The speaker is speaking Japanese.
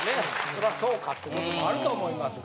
そらそうかということもあると思いますが。